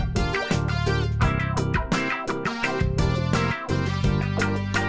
dijemput bang murad